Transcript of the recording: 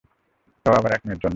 তাও আবার এক মেয়ের জন্য?